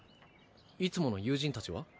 いつもの友人達は？